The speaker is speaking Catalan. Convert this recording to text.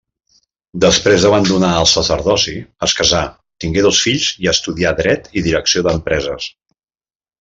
Després d'abandonar el sacerdoci, es casà, tingué dos fills i estudià Dret i Direcció d'empreses.